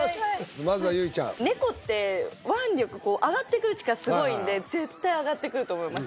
まずは結実ちゃんネコって腕力上がってくる力すごいんで絶対上がってくると思います